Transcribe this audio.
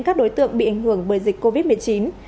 các đối tượng bị ảnh hưởng bởi dịch covid một mươi chín